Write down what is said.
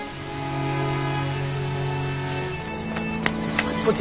すいません。